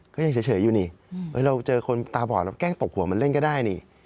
ก็ยังเฉยอยู่นี่เราเจอคนตาบอดเราแกล้งตบหัวมันเล่นก็ได้นี่